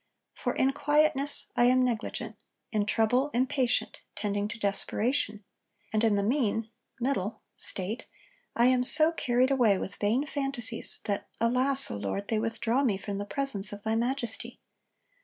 For, in quietness I am negligent; in trouble impatient, tending to desperation; and in the mean [middle] state I am so carried away with vain fantasies, that alas! O Lord, they withdraw me from the presence of thy Majesty.